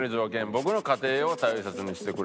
「僕の家庭を大切にしてくれる人」。